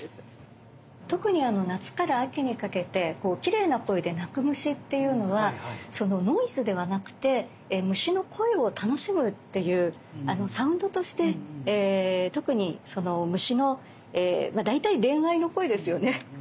特に夏から秋にかけてきれいな声で鳴く虫っていうのはノイズではなくて虫の声を楽しむっていうサウンドとして特に虫の大体恋愛の声ですよね。